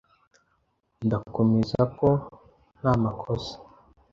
Ndakomeza ko ntamakosa.